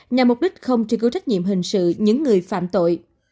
nhằm mục đích không truy cứu trách nhiệm hình sự những người phạm tội